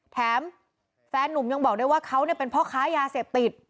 แถมแฟนนุ่มยังบอกได้ว่าเขาเป็นพ่อค้ายาเสพติด